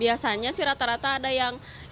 biasanya sih rata rata ada yang ingin wayang